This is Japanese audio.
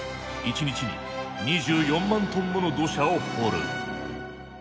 １日に２４万トンもの土砂を掘る。